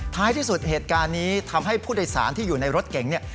ที่สุดเหตุการณ์นี้ทำให้ผู้โดยสารที่อยู่ในรถเก๋งเนี่ย